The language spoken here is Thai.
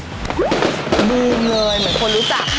มือเงยเหมือนคนรู้จัก